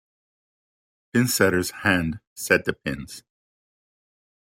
Pinsetters hand set the pins.